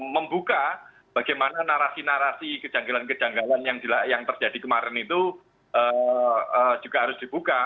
membuka bagaimana narasi narasi kejanggalan kejanggalan yang terjadi kemarin itu juga harus dibuka